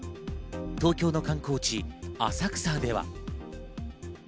東京の観光地、浅草では。